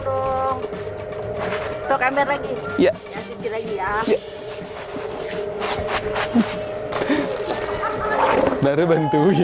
masukkan beberapa mentang biru